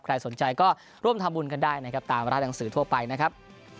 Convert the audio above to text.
ใครสนใจก็ร่วมทำบุญกันได้นะครับตามร้านหนังสือทั่วไปนะครับ